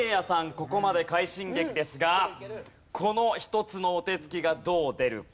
ここまで快進撃ですがこの一つのお手つきがどう出るか。